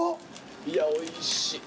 いやおいしい。